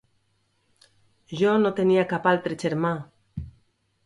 Jo no tenia cap altre germà!